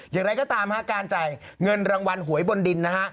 อย่างไรก็ตามฮะการจ่ายเงินรางวัลหวยบนดินนะฮะ